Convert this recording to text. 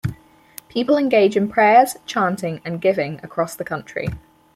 People engage in prayers, chanting and giving across the country.